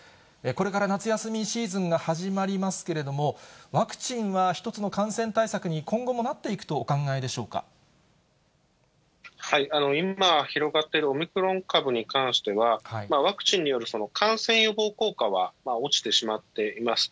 これから夏休みシーズンが始まりますけれども、ワクチンは一つの感染対策に、今後もなっていくとお考えでしょ今、広がっているオミクロン株に関しては、ワクチンによる感染予防効果は落ちてしまっています。